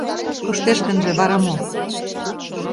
— Коштеш гынже, вара мо?